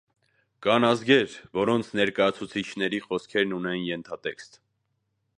Կան ազգեր, որոնց ներկայացուցիչների խոսքերն ունեն ենթատեքստ։